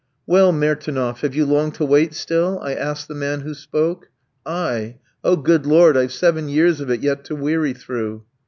"Well, Mertynof, have you long to wait still?" I asked the man who spoke. "I! Oh, good Lord, I've seven years of it yet to weary through."